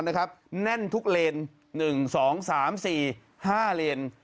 แน่นทุกเลน๑๒๓๔๕เลน